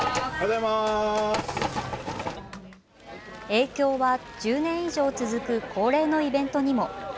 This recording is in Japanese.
影響は１０年以上続く恒例のイベントにも。